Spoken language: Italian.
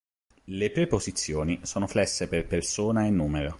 Le preposizioni sono flesse per persona e numero.